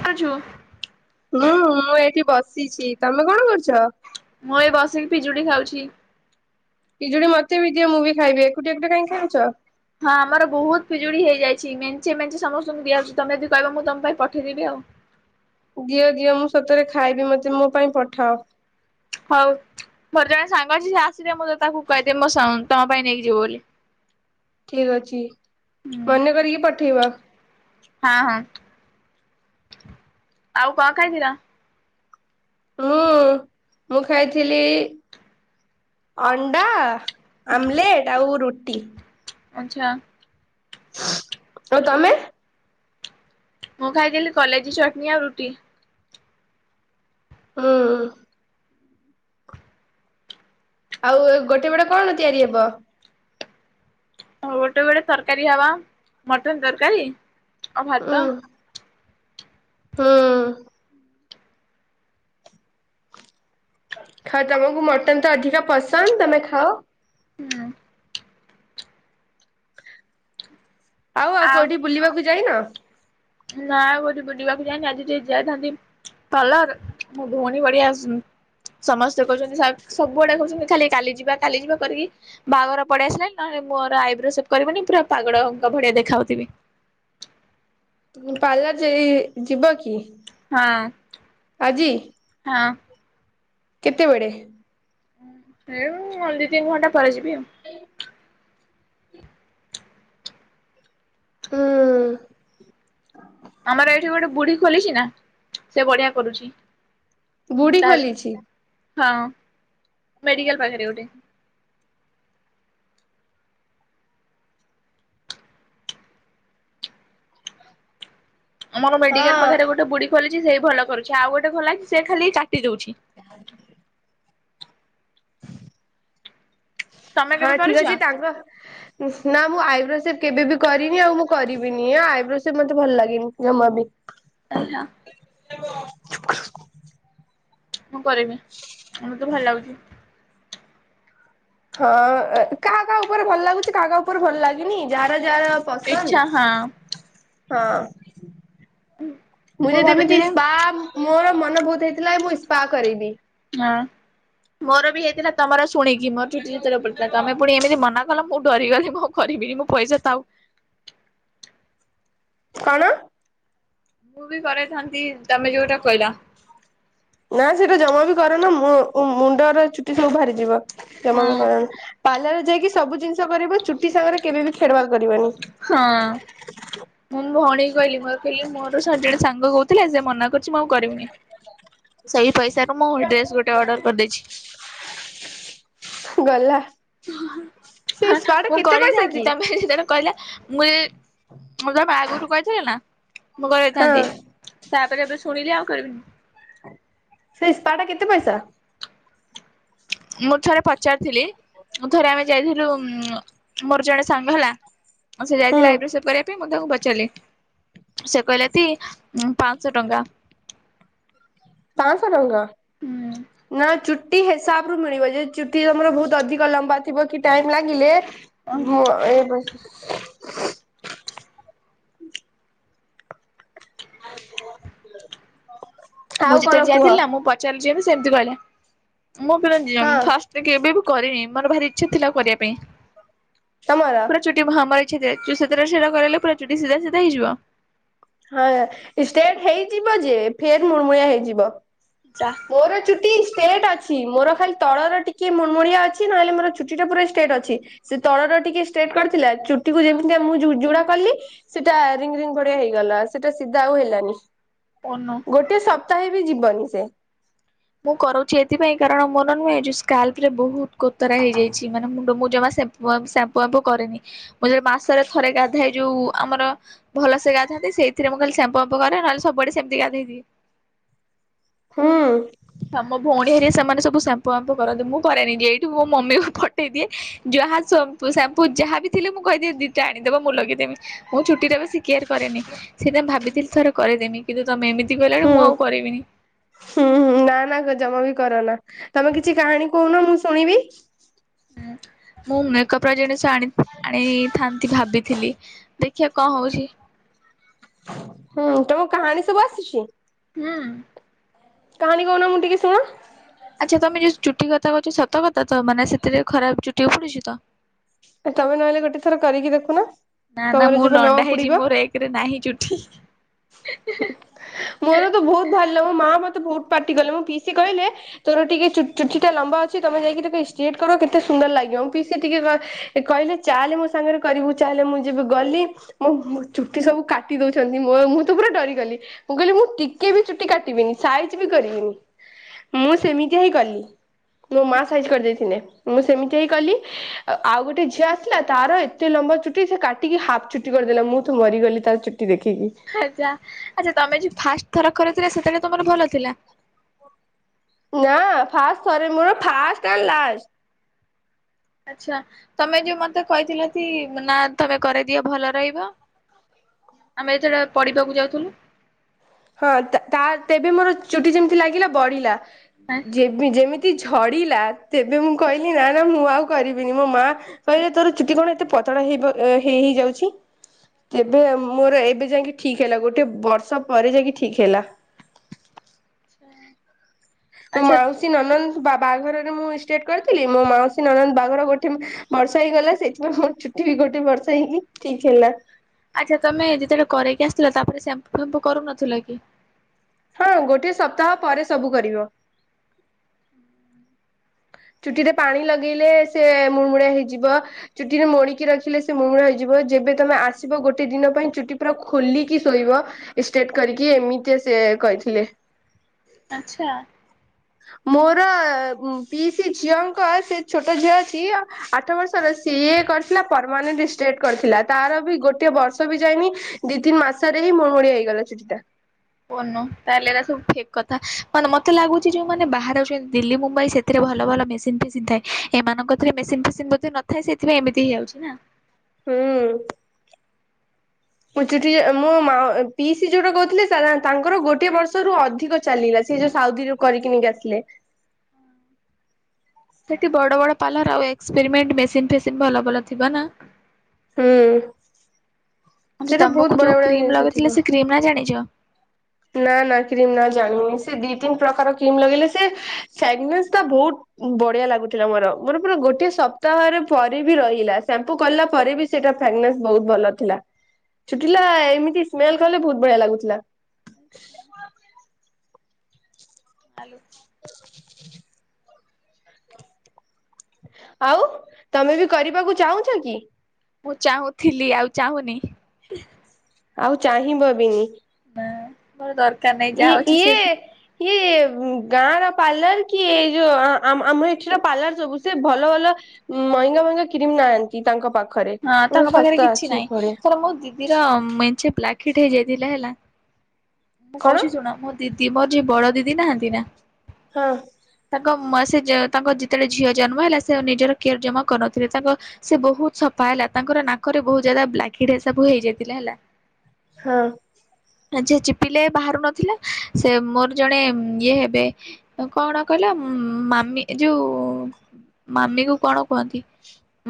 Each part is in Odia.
କଜୁ ହୁଁ ମୁଁ ଏଇଠି ବସିଛି ତମେ କଣ କରୁଛ? ମୁଁ ଏ ବସିକି ପିଜୁଳି ଖାଉଛି ବିଜୁଳି ମତେ ବି ଦିଏ ମୁଁ ବି ଖାଇବି ଏକୁଟଟି ଏକୁଟ କାଇଁକ ଖାଉଛ। ହଁ ଆମର ବହୁତ ପିଜୁଡି ହେଇଯାଇଛି ମେଞ୍ଚେ ମେଞ୍ଚେ ସମସ୍ତଙ୍କୁ ଦିଆହସଛି ତମେ ଯଦି କହିବ ମୁଁ ତମ ପାଇଁ ପଠେଇଦେବି ଆଉ ହ। ଦିଅ ଦିଅ ମୁଁ ସତରେ ଖାଇବି ମତେ ମୋ ପାଇଁ ପଠାଅ ହଉ ଭର ଜଣେ ସାଙ୍ଗ ଅଛି ଯେ ଆସ ମଁ ତାକୁ କ ମ ସାଙ୍ଗ ତ ପାଇଁ ନେଇକ ଯିବ ବୋଲି। ଠିକ ଅଛି ହୁଁ ମନେ କରିକି ପଠେଇବା। ହଁ ହଁ ଆଉ କଣ ଖାଇଥିଲା। ମୁଁ ମୁଁ ଖାଇଥିଲି ଅଣ୍ଡା ଆମଲେଟ ଆଉ ରୁଟି ଆଚଛା ଆଉ ତମେ? ମୁଁ ଖାଇଥିଲ କଲେଜ ଚଟଣି ଆଉ ରୁଟି। ହଁ। ଆଉ ଗୋଟେ ବଡ କଣ ତିଆରି ହବ ହଉ ଗୋଟେ ଗୋଟେ ତରକାରୀ ହବା ମଟନ ତରକାରୀ ଆଉ ଭାତ। ହଁ। ଖ ତମକୁ ମଟନ ତ ଅଧିକ ପସନ୍ଦ ତମେ ଖାଅ। ହୁଁ ଆଉ ଆଉ କୋଉଠି ବୁଲିବାକୁ ଯାଇନ ନାାଇଁ ବଠ ବୁଝିବାକୁ ଯାନି ଆଜି ଟ ଯାଇଥାନ୍ତି ପାଲର ମୁୋ ଭଉଣୀ ବଢଆ ଆସନ ସମସ୍ତେ କହୁଛନ୍ତି ସବୁଆଡେ କହୁଛନ୍ତି ଖାଲି କାଲି ଯିବା କାଲି ଯିବା କରିକି ବାହାଘର ପଳେଇ ଆସିଲେଣି ନହେଲେ ମୋର ଆଇବ୍ରୋ ସବ କରିବନି ପୁରା ପାଗଡଙ୍କ ଭଡିଆ ଦେଖାଉଥିବି। ପାର୍ଲାର ଯ ଯିବ କି ହଁ ହଁ। କେତେବେଡେ ସେଇ ଦି ତିନି ଘଣ୍ଟା ପରେ ଯିବି । ହ [inaudible] ହଁ ଆମର ଏଇଠି ଗୋଟେ ବୁଢୀ ଖୋଲିଛି ନା ସେ ବଢିଆ କରୁଛି ବୁଢୀ ତାରି ଖୋଲିଛି ହଁ ମେଡିକଲ ପାଖରେ ଗୋଟେ ଆମର ମେଡିକାଲ ହଁ ପାଖରେ ଗୋଟେ ବୁଢ଼ି ଖୋଲିଛି ସେଇ ବି ଭଲ କରୁଛି ଆଉ ଗୋଟେ ଖୋଲାଛି ସେ ଖାଲି ଦଉଛି ତମେ ହଁ କେବେ ଠିକ କରିଛ? ଅଛି ତାଙ୍କ ନା ମୁଁ ଆ ଆଇୋବ୍ରୋ ସେ କେବେ ବି କରିନି ଆଉ ମୁଁ କରିବିନି ଆଉ ଆଇବ୍ରୋ ସେ ମତେ ଭଲ ଲାଗେନି ଜମା ବି ହଁ [inaudible] ମୁଁ କରିବି ମତେ ଭଲ ଲାଗୁଛି । ହଁ କାହା କାହା ଉପରେ ଭଲ ଲାଗୁଛି କାହା କାହା ଉପରେ ଭଲ ଲାଗନି ଯାହାର ଯା ପସନ୍ଦ ଇଚ୍ଛା ହଁ ହଁ ମୁଁ ଯଦି ଏମିତି ସ୍ପା ମୋର ମନ ବହୁତ ହେଇଥିଲା ମୁଁ ଇସ୍ପା କରେଇବି ହଁ ମୋର ବି ହେଇଥିଲା ତମର ଶୁଣିକି ମୋର ଚୁଟି ଚିତରେ ପଡିଥିଲା ତମେ ପୁଣି ଏମିତି ମନା କ ମୁଁ ଡରିଗଲି ମୁଁ କରିବିନି ମୁଁ ପଇସା ଥାଉ କଣ? ମୁଁ ବି କରଇଥାନ୍ତି ତମେ ଯୋଉଟା କହିଲ? ନା ସେଇଟା ଜମା ବି କରନି, ମୁଣ୍ଡର ଚୁଟି ସବୁ ବାହାରିଯିବ। ହଁ ତମାକୁ କର ପାର୍ଲାର ରେ ଯାଇକି ସବୁ ଜିନିଷ କରିବ ଚୁଟି ସାଙ୍ଗରେ କେବେ ବି ଖେଡବାଦ କରିବନି । ହଁ। ମୁଁ ମୋ ଭଉଣୀ କହିଲି ମୋର କହିଲି କିଛି ମୁଁ କରିବିନି ସେହି ପଇସାରୁ ମୁଁ ଡ୍ରେସ୍ ଗୋଟେ ଅର୍ଡ଼ର କରିଦେଇଛି [inaudible] ଗଲା ସେ ସ୍ପା ଟା ମୁଁ କେତେ ପଇସା କରିଥାନ୍ତି କି? ତମେ ସେତେବେଳେ କହିଲା ମୁଁ ମୁଁ ତା ବା ଗୁରୁ କହଛ ନା [unintelligible] ମୁଁ ହଁ କରେଇଥାନ୍ତି ତାପରେ ଏବେ ଶୁଣିଲି ଆଉ କରିବିନି ସେ ସ୍ପା ଟା କେତେ ପଇସା? ମୁଁ ଥରେ ପଚାରିଥିଲି ମୁଁ ଥରେ ଆମେ ଯାଇଥିଲୁ ମୋର ଜଣେ ସାଙ୍ଗ ହେଲା ସେ ହୁଁ ଯାଇଥିଲା ଆଇବ୍ରୋସେଭ କରିବା ପାଇଁ ମୁଁ ତାଙ୍କୁ ପଚାରିଲି ସେ କହିଲେ ପାଞ୍ଚଶହ ଟଙ୍କା ପାଆଁଶ ଟଙ୍କା ହୁଁ ନା ଚୁଟି ହେ ହିସାବରୁ ମିଳିବ ଯେ ଚୁଟି ତମର ବହୁତ ଅଧିକ ଲମ୍ବା ଥିବ କି ଟାଇମ୍ ଲାଗିଲେ ବ ଏ ବ [unintelligible] ହ [inaudible] ମୁଁ ଯେତେବେଳେ ଯାଇଥିଲ ନା ମୁଁ ପଚାରିି ସେମିତି କହିଲା ମୁଁ ହଁ ଫାଷ୍ଟ କେବେ କରିନି ମୋର ଭାରି ଇଚ୍ଛା ଥିଲା କରିବା ପାଇଁ ତମର। ପୁରା ଚଛୋଟି ମହାମାରୀ [unintelligible] ସେତ କରଲେ ପ୍ରୁ ସିଧା ସିଧା ହେଇଯିବ [unintelligible] ହଁ ଷ୍ଟ୍ରେଟ ହେଇଯିବ ଯେ ଫେର ମୁର୍ମୁଳିଆ ହେଇଯିବ ଯା ମୋର ଚୁଟି ଷ୍ଟେଟ ଅଛି ମୋର ଖାଲି ତଳର ଟିକେ ମୁମଣିଆ ଅଛି ନହେଲେ ମୋରଛୁଟି ଟା ପୁରା ଷ୍ଟେଟ ଅଛି ସେ ତଳର ଟିକେ ଷ୍ଟେଟ୍ କରିଥିଲା । ଚୁଟି କୁ ଯେମିତି ମୁଁ ଯୋଡା କଲି ସେଟା ରିଙ୍ଗ ରିଙ୍ଗ ପଡିଆ ହେଇକି ଗଲା ସେଟା ସିଧା ଆଉ ହେଲାନି ପନୁ। ଗୋଟେ ସପ୍ତାହେ ବି ଯିବନି ସେ ମୁଁ କରୁଛି ଏଥିପାଇଁ କାରଣ ମୋର ନୁହେଁ ଏ ଯୋଉ ସ୍ଲ ରେ ବହୁତ କୋତରା ହେଇଯାଇଛି ମାନେ ମୁଁ ଜମା କରେନି ମୁଁ ଯ ମାସରେ ଥରେ ଗାଧ ଯୋଉ ଆମର ଭଲସ ଗାଧ ସେଇଥିରେ ମୁଁ ଖାଲି ସାମ୍ପୁ ଫାମ୍ପୁ କରେ ନହେଲେ ସବୁଆଡେ ସେମିତି ଗାଧେଇଦିଏ। ହଁ କରନ୍ତୁ କରନ୍ତୁ ମୁଁ କରାଇନି ଏଇଠୁ ମୋ ମମିକୁ ପଠେଇ ଦିଏ ଯାହା ସାମ୍ପୁ ଯାହା ବି ଥିଲେ ମୁଁ କହିଦି ଦିଏ ଦିଟା ଆଣିଦବ ମୁଁ ଲଗେଇଦମି ମୋ ଛୁଟିରେ କିୟାର କରେନି ସେଥିପାଇଁ ଭାବିଥିଲି ଥର କରିଦେନି କିନ୍ତୁ ତମେ ଏମିତି ସେ କହିଲାଣି ହୁଁ ମୁଁ ଆଉ କରିବିନି । ହୁଁ ହୁଁ ନା ନା ଗୋ ଜମା ବି କରନା। ତୋମେ କିଛି କାହାଣୀ କହୁନ ମୁଁ ଶୁଣିବି। ଉଁ, ମୁଁ ମେକପ୍ ର ଜିନିଷ ଆଣି ଆଣିଥାନ୍ତି ଭାବିଥିଲି। ଦେ ଖିଆ କଣ ହଉଛି। ହୁଁ ତୋମ କାହାଣୀ ସବୁ ଆସୁଛି? ହୁଁ। କାହାଣୀ କହୁନ ମୁଁ ଟିକେ ଶୁଣ। ଆଚ୍ଛା ତୋମେ ଯୋଉ ଚୁଟି କଥା କହୁଚ ସତ କଥା ତ ମାନେ ସେଥିରେ ଖରାପ ଚୁଟି ଉପୁଡ଼ୁଚି ତ? ଏ ତୋମେ ନହେଲେ ଗୋଟେ ଥର କରିକି ଦେଖୁନ। ନା ନା ତମର ମୁଁ ଯେବେ ନ ଲଣ୍ଡା ହେଇଯିମି। ଉପୁଡିବ। ମୋର ଏକରେ ନାହିଁ ଚୁଟି। ମୋର ତ ବହୁତ ବାହାରିଲା ମୋ ମା ମୋ ତେ ବହୁତ ପାଟି କଲେ। ମୋ ପିଇସିି କହିଲେ ତୋର ଟିକେ ଚୁ ଚୁଟିଟା ଲମ୍ବା ଅଛି। ତୋମେ ଯାଇକିରି ଷ୍ଟେଟ୍ କର କେତେ ସୁ ସୁନ୍ଦର ଲାଗିବ ମୋ ପିଇସି ଟିକେ କ ସେ କହିଲେ ଚାଲେ ମୋ ସାଙ୍ଗରେ କରିବୁ। ଚାଲେ ମୁଁ ଯେବେ ଗଲି ମୋ ମୋ ଚୁଟି ସବୁ କାଟି ଦଉଛନ୍ତି ମୋ ଅ ମୁଁ ତ ପୁରା ଡରିଗଲି । ମୁଁ କହିଲି ମୁଁ ଟିକେ ବି ଚୁଟି କାଟିବିନି। ସାଇଜ ବି କରିବିନି। ମୁଁ ସେମିତିଆ ହିଁ କଲି। ମୋ ମା ସାାଇଜ କରିଦେଇଥିନେ। ମୁଁ ସେମିତିଆ ଇ କଲି। ଅ ଆଉ ଗୋଟେ ଝିଅ ଆସିଲା ତାର ଏତେ ଲମ୍ବା ଚୁଟି ସେ କାଟିକି ହାପ୍ ଚୁଟି କରିଦେଲା। ମୁଁ ତ ମରିଗଲି ତା ଚୁ ଆଚ୍ଛା, ଆଚ୍ଛା ତୋମେ ଯୋଉ ଫାଷ୍ଟ ଥର କରି ଥିଲ ସେତେବେଳେ ତୋମର ଭଲ ଥିଲା? ନା ଫାଷ୍ଟ ଥରେ ମୋର ଫାଷ୍ଟ ଏଣ୍ଡ ଲାଷ୍ ଆଚ୍ଛା ତୋମେ ଯୋଉ ମୋତେ କହିଥିଲ କି ନା ତୋମେ କରେଇଦିଅ ଭଲ ରହିବ। ଆମେ ଏଥର ପଡିବାକୁ ଯାଉଥୁଲୁ ହଁ ତା ତା ତେବେ ମୋର ଚୁଟି ଯେମତି ଲାଗିଲା ବଢିଲା। ଯେମି ଯେମିତି ଝଡ଼ ଡିଲା ତେବେ ମୁଁ କହିଲି ନା ନା ମୁଁ ଆଉ କରିବିନି। ମୋ ମା କହିଲେ ତୋର ଚୁଟି କଣ ଏତେ ପତଳା ହେଇବ ଅ, ହେଇ ହେଇ ଯାଉଛି। ଏବେ ମୋର ଏବେ ଯାଇକି ଠିକ ହେଲା। ଗୋଟେ ବର୍ଷ ପରେ ଯାଇକି ଠିକ ହେଲା। ଆଚ୍ଛା। ମୁଁ ଆଚ୍ଛା ମାଉସୀ ନନନ ବା ବାହାଘରରେ ମୁଁ ଷ୍ଟେଟ କରିଥିଲି। ମୋ ମାଉସୀ ନଣନ୍ଦ ବାହାଘର ଗୋଟେ ବର୍ଷେ ହେଇଗଲା। ସେଇଥିପାଇଁ ମୋ ଚୁ ଠି ଗୋଟେ ବର୍ଷ ହେଇକି ଠିକ ହେଲା। ଆଚ୍ଛା ତୋମେ ଯେତେବେଳେ କରେଇକି ଆସିଥିଲ ତାପରେ ସେମ୍ପୁ ଫାମ୍ପୁ କରୁନଥିଲ କି? ହଁ ଗୋଟେ ସପ୍ତାହ ପରେ ସବୁ କରିବ। ଚୁଟି ରେ ପାଣି ଲଗେଇଲେ ସେ ମୁମୁଡିଆ ହେଇଯିବ। ଚୁଟିରେ ମୁଡିକି ରଖିଲେ ସେ ମୁର୍ମୁଳ ହେଇ ଯିବ ଯେବେ ତୋମେ ଆସିବ ଗୋଟେ ଦିନ ପାଇଁ ଚୁଟି ପୁରା ଖୋଲିକି ଶୋଇବ। ଷ୍ଟେଟ କରିକି। ଏମିତି ସେ କହିଥିଲେ। ଆଚ୍ଛା। ମୋର ଉଁ ପିଇସି ଝିଅଙ୍କ ସେ ଛୋଟ ଝିଅ ଅଛି। ଆଠ ବର୍ଷର ସିଏ କରିଥିଲା ପରମାନେଣ୍ଟ ଷ୍ଟେଟ କରିଥିଲା। ତାର ବି ଗୋଟିଏ ବର୍ଷ ବି ଯାଇନି ଦି ତିନି ମାସରେ ଏ ମୁଡମୁଡିଆ ହେଇଗଲା ଚୁଟି ଟା। ଓ ନୋ ତାହେଲେ ଏରା ସବୁ ଫେକ୍ କଥା। ମାନେ ମୋତେ ଲାଗୁଚି ଯେଉଁମାନେ ବାହାରେ ଅଛନ୍ ଦିଲ୍ଲୀ ମୁମ୍ବାଇ ସେଥିରେ ଭଲ ଭଲ ମେସିନ୍ ଫେସିନ୍ ଥାଏ । ଏମାନଙ୍କ କତିରେ ମେସିନ୍ ଫେସିନ୍ ବୋଧେ ନଥାଏ ।ସେଥିପାଇଁ ଏମିତି ହେଇଯାଉଛି ନା? ହୁଁ। ହ ମୋ ଚୁଟି ଯ, ମୋ ମା ପିଇସି ଯୋଉଟା କହୁଥିଲେ ତାର ତାଙ୍କର ଗୋଟଏ ବର୍ଷରୁ ଅଧିକ ଚାଲିଲା ସିଏ ଯୋଉ ସାଉଦିରୁୁ କରିକି ନେଇକି ଆସିଲେ। ହଁ ସେଠି ବଡ ବଡ ପାର୍ଲର ଆଉ ଏକ୍ସପେରିମେଣ୍ଟ ମେସିନ୍ ଫେସିନ୍ ଭଲ ଭଲ ଥିବ ନା। ହୁଁ ହଁ ଯେ ସେଇଟା ବହୁତ ତୋମକୁ ବଢିଆ ଯୋଉ ବଢିଆ କ୍ରିମ୍ ଜିନିଷ ଲଗେଇଥିଲେ, ଥିବ। ସେ କ୍ରିମ୍ ନା ଜାଣିଚ? ନା ନା କ୍ରିମ୍ ନାଁ ଜାଣିନି। ସେ ଦି ତିନି ପ୍ରକାର କିମ ଲଗେଇଲେ ସେ [unintelligible] ବହୁତ ବଢିଆ ଲାଗୁଥିଲା ମୋର। ମୋର ପୁରା ଗୋଟେ ସପ୍ତାହରେ ପରେ ବି ରହିଲା । ସେମ୍ପୁ କଲା ପରେ ବି ସେଟା ତା ଫେଗନେସ ବହୁତ ଭଲ ଥିଲା। ଚୁଟିଲା ଏମିତି ସ୍ମେଲ୍ କଲେ ବହୁତ ବଢିଆ ଲାଗୁଥିଲା। [unintelligible] ଆଉ ତମେ ବି କରିବାକୁ ଚାହୁଁଛ କି? ମୁଁ ଚାହୁଁଥିଲି ଆଉ ଚାହୁଁନି। ଆଉ ଚାହିଁବ ବିନି। ହଁ ଦର ଇଏ ଇଏ ଇଏ ଗାଁର ପାର୍ଲର କି ଏଇ ଯୋଉ ଆମ ଏଠିର ପାର୍ଲର ସବୁ ସେ ଭଲ ଭଲ ମହଙ୍ଗା ମହେଙ୍ଗା କ୍ରିମ ନାହାନ୍ତି ତାଙ୍କ ପାଖରେ। ହଁ ତାଙ୍କ ପାଖରେ ଶସ୍ତା କିଛି ଅଛି ନାହିଁ ଭଳିଆ ତ ମୋ ଦିଦିର ମେଞ୍ଚେ କିଟ ହେଇଯାଇଥିଲେ ହେଲା। ମୁଁ କଣ କହୁଛି ଶୁଣ ମ ଦିଦି ମୋର ଯିଏ ବଡ ଦିଦି ନାହାନ୍ତି ନା ହଁ ତାଙ୍କ ସେ ତାଙ୍କ ଯେତେବେଳେ ଝିଅ ଜନ୍ମ ହେଲା ସେ ନିଜର କେୟର ଜମା କରନଥିଲେ ତାଙ୍କ ସେ ବହୁତ ସଫା ହେଲା ତାଙ୍କ ନାକରେ ବହୁତ ଜ୍ୟାଦା ବ୍ଲାକ ହେଡ଼ ସବୁ ହେଇଯାଇଥିଲା ହେଲା ହଁ। ଆଜ ପିଲା ବାହାରୁ ନଥିଲା ସେ ମୋର ଜଣେ ଇଏ ହେବେ କଣ କହିଲା ଯୋଉ ମାମିକୁ କଣ କୁହନ୍ତି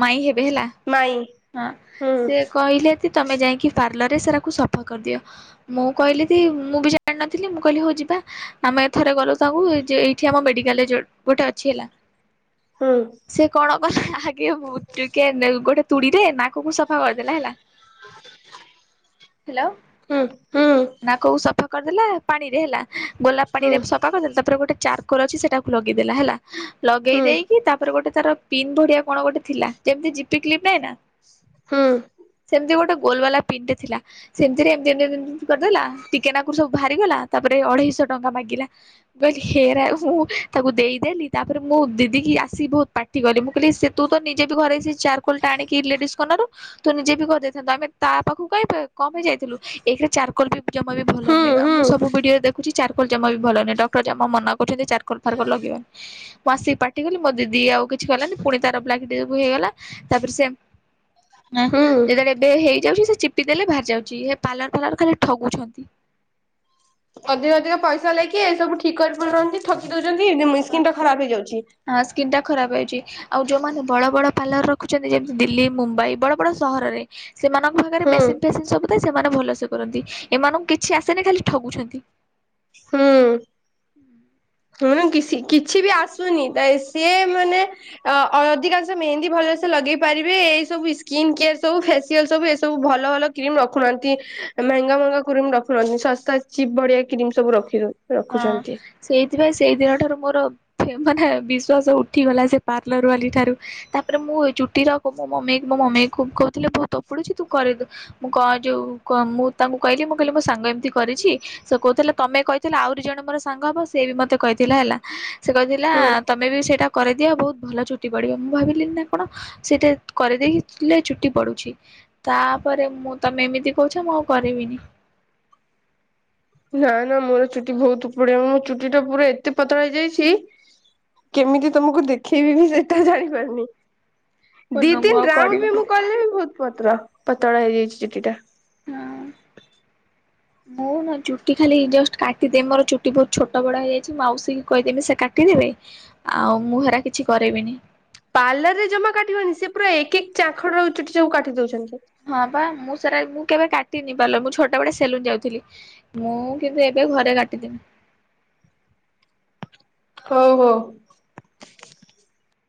ମାଇଁ ହେ ହେଲା ମାଇଁ ହଁ ହୁଁ ସେ କହିଲେ ତମେ ଯାଇକି ପାର୍ଲରରେ ସେରାକୁ ସଫା କରିଦିଅ ମୁଁ କହିଲି ମୁଁ ବି ଜାଣିନଥିଲି ମୁଁ କହିଲି ହଉ ଯିବା ଆମେ ଥରେ ଗଲୁ ତାଙ୍କୁ ଯେ ଏଇଠି ଆମ ମେଡିକାଲ ଗୋଟେ ଅଛି ହେଲା। ହଁ। ସେ କଣ ଆଗେ ଟେ ଗୋଟେ ତୁୁରରେ ନା କୁ ସଫା କରିଦେଲା ହେଲା ହଲୋ। ହୁଁ ନା କୋଉ ସଫା କରିଦେଲା ପାଣିରେ ହେଲା ଗୋଲାପ ହୁଁ ପାଣିରେ ସଫା କରିଦେଲା ତାପରେ ଗୋଟେ ଚାରକୋର ଅଛି ସେଟାକୁ ଲଗେଇଦେଲା ହେଲା ଲଗେଇ ହୁଁ ଦେଇକି ତାପରେ ଗୋଟେ ତାର ପିନ୍ ଭଡିିଆ କଣ ଗୋଟେ ଥିଲା ଯେମତି ଜିପି କ୍ଲିପ ନହିଁ ନା ହୁଁ ସେମତି ଗୋଟେ ଗୋଲ ବାଲା ପିନଟେ ଥିଲା ସେମତିରେ ଏମ ଏମ କରିଦେଲା ଟିକେନାକରୁ ସବୁ ବାହାରିଗଲା ତାପରେ ଅଢେଇଶହ ଟଙ୍କା ମାଗିଲା କହିଲି ହେରା ମୁଁ ତାକୁ ଦେଇଦେଲି ତାପରେ ମୁଁ ଦିଦି କିି ଆସିି ବହୁତ ଠିକ କଲି ମୁଁ କହିଲି ସେ ତୁ ତ ନିଜେ ବି ଘରେଇ ଚାରକୋଲ ଟା ଆଣିକି ଲେଡିସ୍ କନାରୁ ତ ନିଜେ ବି କରିଦେଇଥାନ୍ତୁ ଆମେ ତା ପାଖକୁ କାଇଁ କମ ହେଇ ଯାଇଥିଲୁ ଏଇରେ ଚାରକୋଲ ବି ଜମା ବି ଭଲ ହୁଁ ହୁଁ ନୁହଁ ହୁଁ ମୁଁ ସବୁ ଭିଡିଓରେ ଦେଖୁଛି ଚାରକୋଲ ଜମା ବି ଭଲ ନୁହଁ। ଡକ୍ଟର ଜମା ମନା ଚାରକଲ ଫାର୍କଲ ଲଗେଇବନି ମୁଁ ଆସିକି ପାଟି କଲି ମୋ ଦିଦି ଆଉ କିଛି କହିଲାନି ପୁଣି ତାର ହେଇଗଲା ତାପରେ ସେ ହୁଁ ଯେତେବେଳେ ଏବେ ହେଇଯାଉଛି ଚିପିଦେଲେ ବାହାରି ଯାଉଛି ହେ ପାର୍ଲର ଫାର୍ଲର ଖାଲି ଠଗୁଛନ୍ତି। ଅଧିକ ଅଧିକ ପଇସା ଲାଗକି ଏ ସବୁ ଠିକ୍ କରି ପାରୁ ରନ୍ତି ଠକି ଦଉ ସ୍କିନଟା ଖରାପ ହେଇଯାଉଛି। ହଁ ସ୍କିନ୍ ଟା ଖରାପ ହେଉଛି ଆଉ ଯୋଉମାନେ ବଡ ବଡ ପାାର୍ଲର ରଖୁଛନ୍ତି ଯେମତି ଦିଲ୍ଲୀ ମୁମ୍ବାଇ ବଡ ବଡ ସହରରେ ସେମାନଙ୍କ ପାଖରେ ହୁଁ ମେସିନ ଫେସିନ୍ ସବୁ ସେମାନେ ଭଲ ସେେ କରନ୍ତି ଏମାନଙ୍କୁ କିଛି ଆସେନି ଖାଲି ଠଗୁଛନ୍ତି। ହଁ। ହୁଁ କିଛି କିଛି ବି ଆସୁନି ସେ ମାନେ ଅ ଅ ଅଧିକାଂଶ ମେହେନ୍ଦୀ ଭଲ। ସେ ଲଗେଇ ପାରିବେ ଏଇ ସବୁ ସ୍କିନ୍ କେୟାର ସବୁ ଫେସିଆଲ୍ ସବୁ ଏସବୁ ଭଲ ଭଲ କ୍ରିମ୍ ରଖୁନାହାନ୍ତି। ମେଙ୍ଗା ମେଙ୍ଗା କ୍ରିମ ରଖୁନ୍ତି ଶସ୍ତା ଚିପ୍ ଭଢିଆ କ୍ରିମ ସବୁ ରଖିନ୍ତି। ହଁ ସେଇ। ସେଥିପାଇଁ ସେଇ ଦିନଠାରୁ ମୋର ମାନେ ବିଶ୍ଵାସ ଉଠିଗଲା ସେ ପାର୍ଲରବାଲି ଠାରୁ ତାପରେ ମୁ ମୁଁ ଏ ଚୁଟି ରଖ ମୋ ମମି ମୋ ମମି କହୁଥିଲେ ବହୁତ ଉପୁଡୁଛି ତୁ କରିରି ଦେ ମୁଁ କ ଯଉ ମୁଁ ତାଙ୍କୁ କହିଲି ମୁ କହିଲି ମୋ ସାଙ୍ଗ ଏମି କରିଛି ସେ କହୁଥିଲେ ତମେ କହିଥିଲ ଆହୁରି ଜଣେ ମୋର ସାଙ୍ଗ ହବ ସେ ବି ମତେ କହିଥିଲା ହେଲା। ସେ କହିଥିଲା ହୁଁ ତମେ ବି ସେଇଟା କରେଇଦିଏ ବହୁତ୍ ଭଲ ଚୁଟି ପଡିବ ମୁଁ ଭାବୁଥିଲି ନା କଣ ସେ କରେଇ ଦେଇକି ନାଇ ଚୁଟି ପଡୁଛି। ତାପରେ ମୁଁ ତମେ ଏମିତି କହୁଛ ମୁଁ ଆଉ କରିବିନି। ନା ନା ମୋର ଚୁଟି ବହୁତ ଉପଡିଆ ମୁୋ ଚୁଟି ଟା ପୁରା ଏତେ ପତଳା ହେଇଯାଇଛି। କେମିତି ତମକୁ ଦେଖେଇବି ବି ସେଇଟା ଜାଣି ପାରୁନି। ଦି ମୁଁ ଆଉ ଦିନ ରାଉଣ୍ଡ ବି କରିବିନି ମୁଁ କଲି ବି ବହୁତ ପତ୍ର ପତଳ ହେଇଯାଇଛି ଚୁଟି ଟା। ହଁ। ନା ନା ଚୁଟି ଖାଲି ଜଷ୍ଟ କାଟିଦେବି ମୋର ଚୁଟି ବହୁତ ଛୋଟ ବଡ ହେଇଯାଇଛି ମାଉସୀ କହିଦେବି ସେ କାଟିବେ? ଆଉ ମୁଁ ହେରା କିଛି କରିବିନି। ପାର୍ଲର ରେ ଜମା କାଟିବନି ସେ ପୁରା ଏକକ ଚାଖଡ ର ଚୁଟି ସବୁ କାଟି ଦଉଛନ୍ତି। ହଁ ବା ମୁଁ ସେଏଡା ମୁଁ କେବେ କାଟେ ତିନି ପାଳର ମୁଁ ଛୋଟ ବଳେ ସେଲୁନ ଯାଉଥିଲି ମୁଁ କିନ୍ତୁ ଏବେ ଘରେ କାଟିଦେବି। [inaudible] ହଉ ହଉ।